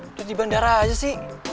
terus di bandara aja sih